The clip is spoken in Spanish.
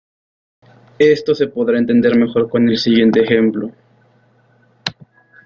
Esto se podrá entender mejor con el siguiente ejemplo.